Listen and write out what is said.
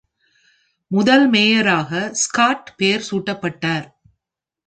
முதல் மேயராக ஸ்காட் பெயர் சூட்டப்பட்டார்.